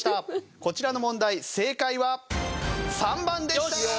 こちらの問題正解は３番でした！